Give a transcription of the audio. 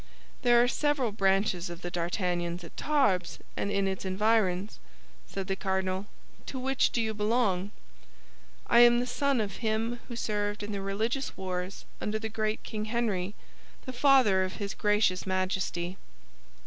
"There are several branches of the D'Artagnans at Tarbes and in its environs," said the cardinal; "to which do you belong?" "I am the son of him who served in the Religious Wars under the great King Henry, the father of his gracious Majesty."